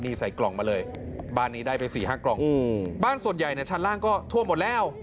นี่ใส่กล่องมาเลยบ้านนี้ได้ไปสี่ห้ากล่องบ้านส่วนใหญ่เนี่ยชั้นล่างก็ท่วมหมดแล้ว